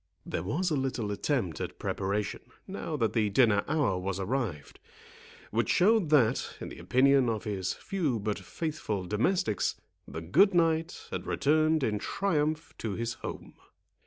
There was a little attempt at preparation, now that the dinner hour was arrived, which showed that, in the opinion of his few but faithful domestics, the good knight had returned in triumph to his home.